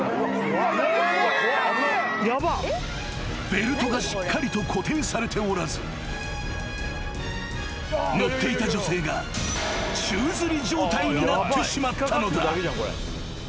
［ベルトがしっかりと固定されておらず乗っていた女性が宙づり状態になってしまったのだ］